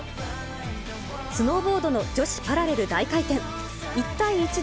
スノーボードの女子パラレル大回転。